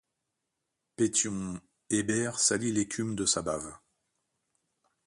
Pétion… -Hébert salit l'écume de sa bave.